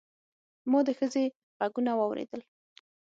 ما د ښځې غږونه واورېدل.